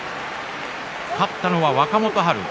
勝ったのは若元春です。